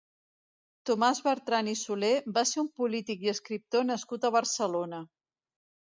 Tomàs Bertran i Soler va ser un polític i escriptor nascut a Barcelona.